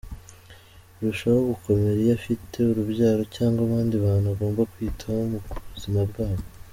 Birushaho gukomera iyo afite urubyaro cyangwa abandi bantu agomba kwitaho mu buzima bwabo.